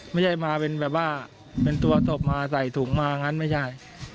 ไม่ใช่มาเป็นแบบว่าเป็นตัวศพมาใส่ถุงมางั้นไม่ใช่